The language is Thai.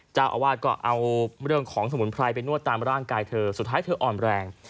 เจ้าอาวาสก็เอาเรื่องของสมุนไพรไปนวดตามร่างกายเธอสุดท้ายเธออ่อนแรง